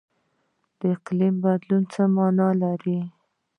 اقلیم بدلون څه مانا لري؟